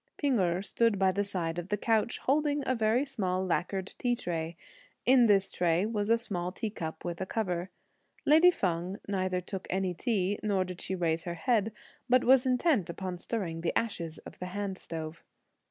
P'ing Erh stood by the side of the couch, holding a very small lacquered tea tray. In this tray was a small tea cup with a cover. Lady Feng neither took any tea, nor did she raise her head, but was intent upon stirring the ashes of the hand stove.